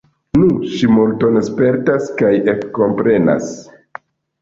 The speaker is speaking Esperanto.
Nu, ŝi multon spertas, kaj ekkomprenas.